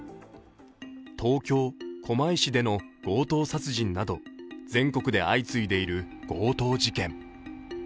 東京・狛江市での強盗殺人など全国で相次いでいる強盗事件。